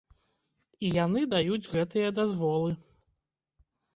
І яны даюць гэтыя дазволы.